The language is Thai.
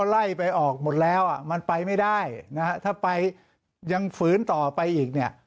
ไล่ไปออกหมดแล้วอ่ะมันไปไม่ได้นะฮะถ้าไปยังฝืนต่อไปอีกเนี่ย